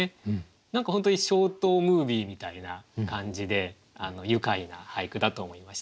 何か本当にショートムービーみたいな感じで愉快な俳句だと思いました。